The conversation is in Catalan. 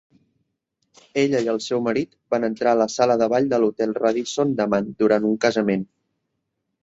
Ella i el seu marit van entrar a la sala de ball de l'hotel Radisson d'Amman durant un casament.